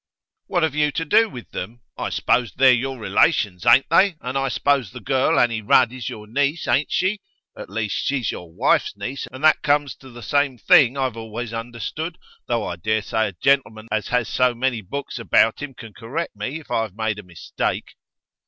'What have you to do with them? I s'pose they're your relations, ain't they? And I s'pose the girl Annie Rudd is your niece, ain't she? At least, she's your wife's niece, and that comes to the same thing, I've always understood, though I dare say a gentleman as has so many books about him can correct me if I've made a mistake.